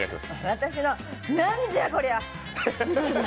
私のなんじゃこりゃ！